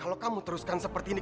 kalau kamu teruskan seperti ini